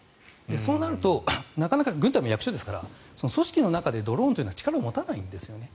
そうなるとなかなか軍隊も役所ですから組織の中でドローンというのは力を持たないんですね。